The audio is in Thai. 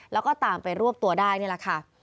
แล้วก็ตามไปรวบตัวได้นี่แหละค่ะ